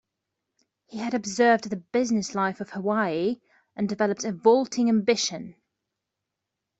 He had observed the business life of Hawaii and developed a vaulting ambition.